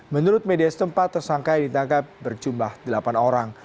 menurut media setempat tersangka yang ditangkap berjumlah delapan orang